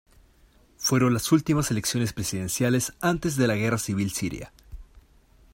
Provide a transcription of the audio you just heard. Fueron las últimas elecciones presidenciales antes de la Guerra Civil Siria.